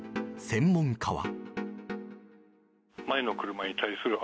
専門家は。